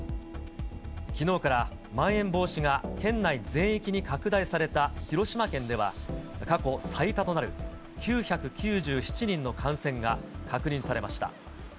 きのうからまん延防止が県内全域に拡大された広島県では、過去最多となる９９７人の感染が確認されました。